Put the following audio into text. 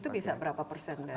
itu bisa berapa persen